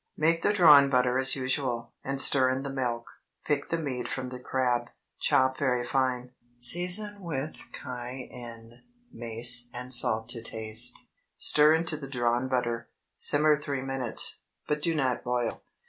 Make the drawn butter as usual, and stir in the milk. Pick the meat from the crab, chop very fine, season with cayenne, mace, and salt to taste; stir into the drawn butter. Simmer three minutes, but do not boil.